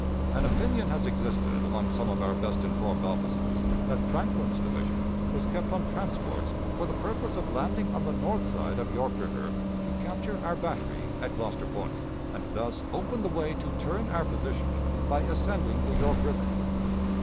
An opinion has existed among some of our best informed officers that Franklin's division was kept on transports for the purpose of landing on the north side of York River to capture our battery at Gloucester Point, and thus open the way to turn our position by ascending the York River.